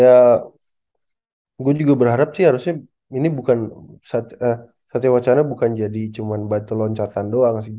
ya gue juga berharap sih harusnya ini bukan satu wacana bukan jadi cuma batu loncatan doang sih